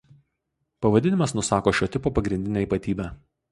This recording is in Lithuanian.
Pavadinimas nusako šio tipo pagrindinę ypatybę.